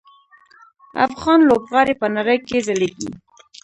افغان لوبغاړي په نړۍ کې ځلیږي.